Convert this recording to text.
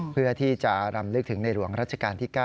เพื่อที่จะรำลึกถึงในหลวงรัชกาลที่๙